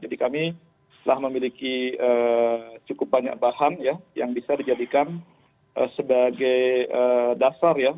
jadi kami sudah memiliki cukup banyak bahan ya yang bisa dijadikan sebagai dasar ya